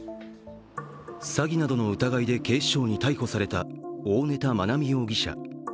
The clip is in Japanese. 詐欺などの疑いで警視庁に逮捕された大根田愛美容疑者。